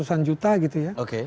lima ratus an juta gitu ya oke